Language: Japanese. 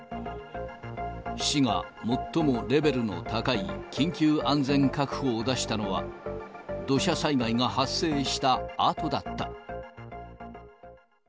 市が最もレベルの高い緊急安全確保を出したのは、土砂災害が発生したあとだった。